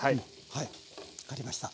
はい分かりました。